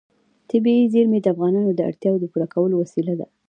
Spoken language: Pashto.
طبیعي زیرمې د افغانانو د اړتیاوو د پوره کولو وسیله ده.